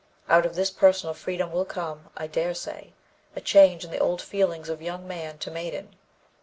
Out of this personal freedom will come, I dare say, a change in the old feelings of young man to maiden.